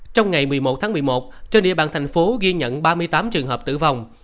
trong ngày một mươi một tháng một mươi một trên địa bàn thành phố ghi nhận ba mươi tám trường hợp tử vong